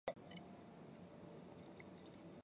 次年被任命为果芒经院堪布。